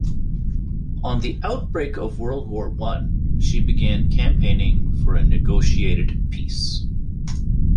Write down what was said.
On the outbreak of World War One, she began campaigning for a negotiated peace.